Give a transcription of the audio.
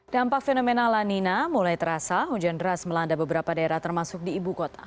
dampak fenomena lanina mulai terasa hujan deras melanda beberapa daerah termasuk di ibu kota